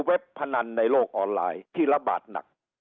พนันในโลกออนไลน์ที่ระบาดหนัก